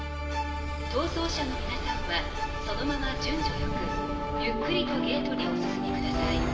逃走者の皆さんはそのまま順序よくゆっくりとゲートにお進みください。